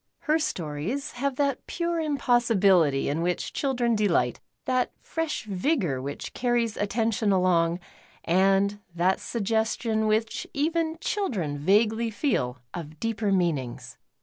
Her stories have that pure impossibility in which children de lii^ht. that fresh vioror which carries attention along:, and that suggestion which even children vaguelv feel of deeper meanings.